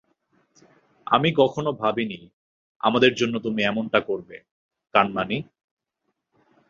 আমি কখনো ভাবিনি আমাদের জন্য তুমি এমনটা করবে, কানমাণি।